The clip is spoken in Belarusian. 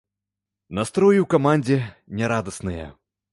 Настроі ў камандзе нярадасныя.